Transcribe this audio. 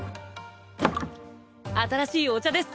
新しいお茶です。